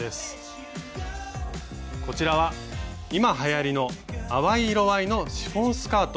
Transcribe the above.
こちらは今はやりの淡い色合いのシフォンスカート。